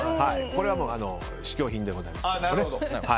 これは試供品でございます。